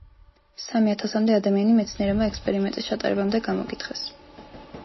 სამი ათასამდე ადამიანი მეცნიერებმა ექსპერიმენტის ჩატარებამდე გამოკითხეს.